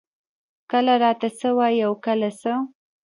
کله راته څۀ وائي او کله څۀ ـ